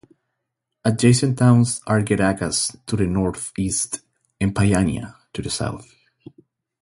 Adjacent towns are Gerakas to the northeast and Paiania to the south.